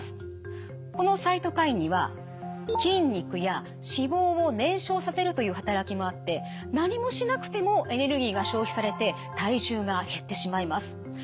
このサイトカインには筋肉や脂肪を燃焼させるという働きもあって何もしなくてもエネルギーが消費されて体重が減ってしまいます。